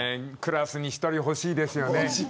クラスに１人欲しいですよね。